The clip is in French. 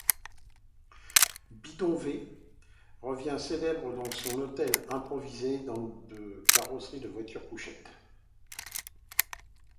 Bidon V devient célèbre avec son hôtel improvisé dans deux carrosseries de voitures-couchettes.